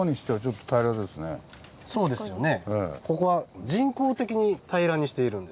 そうですよね。